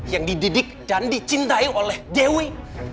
yang dididik dan dicintai oleh dewi